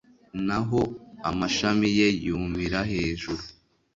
naho amashami ye yumira hejuru